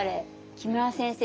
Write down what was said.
木村先生